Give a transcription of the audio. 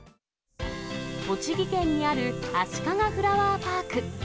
栃木県にあるあしかがフラワーパーク。